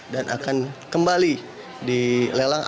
dan akan kembali di lelang